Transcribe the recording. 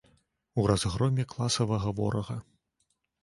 У разгроме класавага ворага.